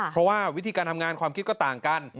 เพราะว่าวิธีการทำงานความคิดก็ต่างกัน